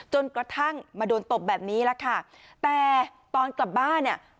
จนกระทั่งมาโดนตบแบบนี้แหละค่ะแต่ตอนกลับบ้านเนี่ย